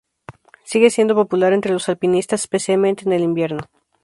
Sigue siendo popular entre los alpinistas, especialmente en el invierno.